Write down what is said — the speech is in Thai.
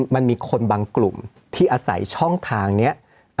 มันมีคนบางกลุ่มที่อาศัยช่องทางนี้